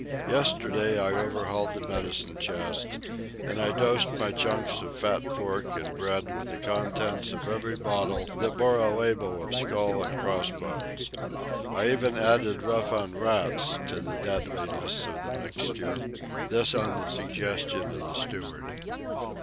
Yesterday I overhauled the medicine chest, and I dosed my chunks of fat pork and bread with the contents of every bottle that bore a label of skull and cross bones. I even added rough on rats to the deadliness of the mixture—this on the suggestion of the steward.